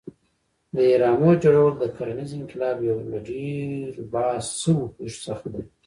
د اهرامو جوړول د کرنیز انقلاب یو له ډېرو بحث شوو پېښو څخه دی.